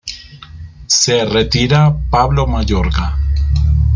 Se retira Pablo Mayorga.